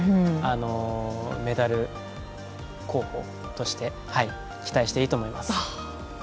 メダル候補として期待していいと思います。